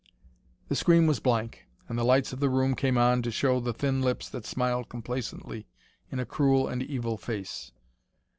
The screen was blank, and the lights of the room came on to show the thin lips that smiled complacently in a cruel and evil face.